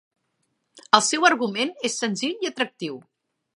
El seu argument és senzill i atractiu.